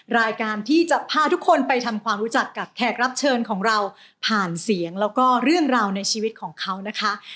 รายการที่จะพาทุกคนไปทำความรู้จักกับแขกรับเชิญของเราผ่านเสียงแล้วก็เรื่องราวในชีวิตของเขานะคะ